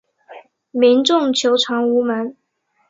民众求偿无门